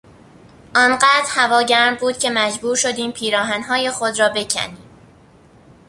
آنقدر هوا گرم بود که مجبور شدیم پیراهنهای خود را بکنیم.